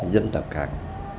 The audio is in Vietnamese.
dân tộc khác